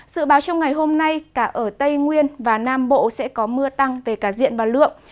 dự báo trong ngày hôm nay cả ở tây nguyên và nam bộ sẽ có mưa tăng về cả diện và lượng